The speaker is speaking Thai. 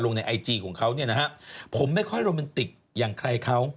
ในไอจีของเขาเนี่ยนะฮะผมไม่ค่อยโรแมนติกอย่างใครเขา